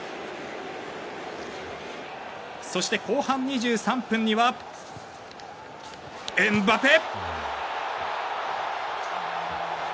そして後半２３分にはエムバペ！